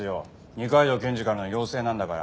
二階堂検事からの要請なんだから。